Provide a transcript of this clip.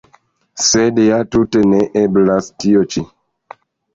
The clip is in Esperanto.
Sed ja tute neeblas, tio ĉi.